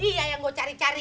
ini dia yang gue cari cari